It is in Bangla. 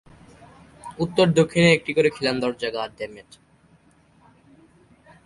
উত্তর-দক্ষিণে একটি করে খিলান দরজা।